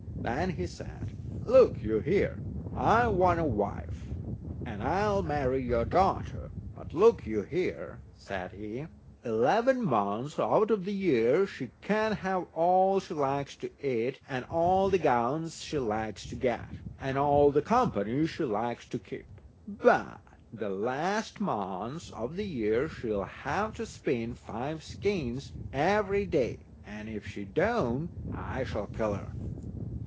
Then he said: "Look you here, I want a wife, and I'll marry your daughter. But look you here," says he, "eleven months out of the year she shall have all she likes to eat, and all the gowns she likes to get, and all the company she likes to keep; but the last month of the year she'll have to spin five skeins every day, and if she don't I shall kill her."